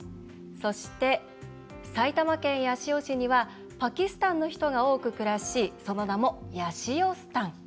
そして、埼玉県八潮市にはパキスタンの人が多く暮らしその名もヤシオスタン。